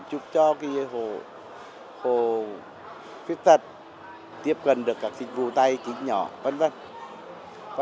giúp cho hồ khuyết tật tiếp cận được các sinh vụ tay kính nhỏ v v